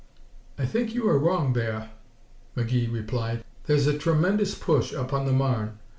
"I think you are wrong there," McGee replied. "There's a tremendous push up on the Marne.